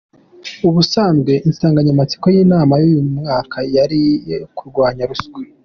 Ubusanzwe Insanganyamatsiko y'inama y'uyu mwaka yari iyo kurwanya ruswa.